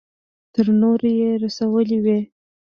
تر نورو يې رسولې وي.